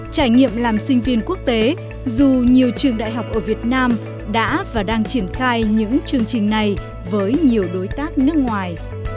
trải nghiệm làm sinh viên quốc tế dù nhiều trường đại học ở việt nam đã và đang triển khai những chương trình này với nhiều đối tác nước ngoài